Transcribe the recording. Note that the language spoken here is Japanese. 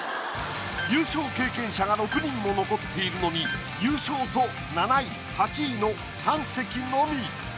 優勝経験者が６人も残っているのに優勝と７位８位の３席のみ。